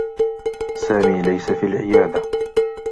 سامي ليس في العيادة.